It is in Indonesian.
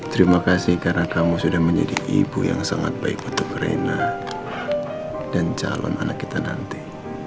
terima kasih karena kamu sudah menjadi ibu yang sangat baik untuk reina dan calon anak kita nanti